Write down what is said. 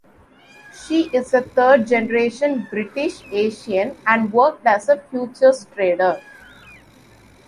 She is a third-generation British-Asian and worked as a futures trader.